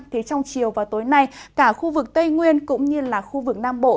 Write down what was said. thì trong chiều và tối nay cả khu vực tây nguyên cũng như là khu vực nam bộ